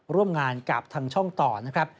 ร่วมงานกับทางช่องต่อนะครับ